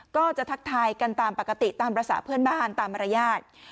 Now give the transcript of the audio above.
ทักทายกันตามปกติตามภาษาเพื่อนบ้านตามมารยาท